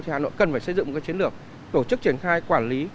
thì hà nội cần phải xây dựng một cái chiến lược tổ chức triển khai quản lý